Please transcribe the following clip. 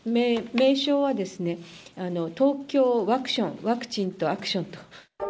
名称は、ＴＯＫＹＯワクション、ワクチンとアクションと。